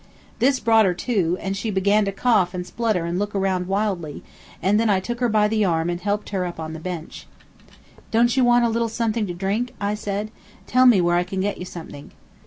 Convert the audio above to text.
This brought her to, and she began to cough and splutter and look around wildly, and then I took her by the arm and helped her up on the bench. "Don't you want a little something to drink?" I said. "Tell me where I can get you something."